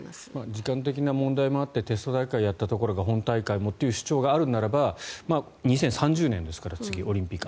時間的な問題もあってテスト大会をやったところが本体もという主張があるならば２０３０年ですから、次オリンピック。